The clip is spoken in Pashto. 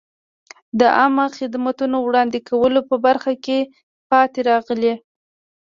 د عامه خدماتو وړاندې کولو په برخه کې پاتې راغلي.